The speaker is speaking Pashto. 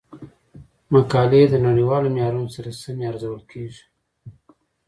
مقالې د نړیوالو معیارونو سره سمې ارزول کیږي.